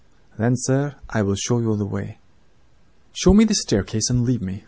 "'Then, monsieur, I will show you the way.' "'Show me the stairs and leave me alone.